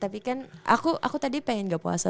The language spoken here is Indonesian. tapi kan aku tadi pengen gak puasa